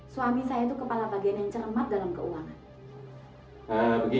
suami saya itu kepala bagian yang cermat dalam keuangan